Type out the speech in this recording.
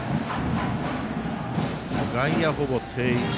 外野、ほぼ定位置。